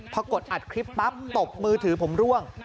พอกดอัดคลิปปั๊บตบมือถือผมร่วง